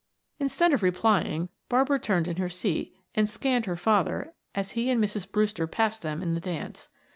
Instead of replying Barbara turned in her seat and scanned her father as he and Mrs. Brewster passed them in the dance.